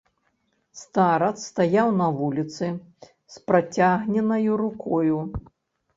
Старац стаяў на вуліцы з працягненаю рукою.